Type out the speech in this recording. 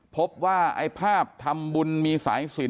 พบว่าไอ้ภาพทำบุญมีสายสิน